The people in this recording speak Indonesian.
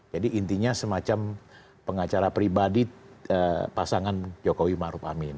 jadi intinya semacam pengacara pribadi pasangan jokowi maruf amin